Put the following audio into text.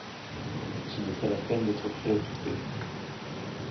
Ce n’est pas la peine d’être préoccupé.